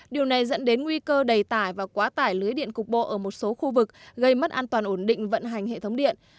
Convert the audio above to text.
điều này dẫn đến nguy cơ đầy tải và quá tải lưới điện cục bộ ở một số khu vực gây mất an toàn ổn định vận hành hệ thống điện